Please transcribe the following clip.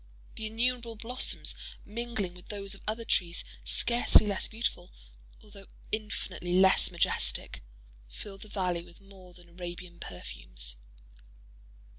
The innumerable blossoms, mingling with those of other trees scarcely less beautiful, although infinitely less majestic, filled the valley with more than Arabian perfumes.